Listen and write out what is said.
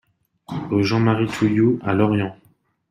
Rue Jean-Marie Toulliou à Lorient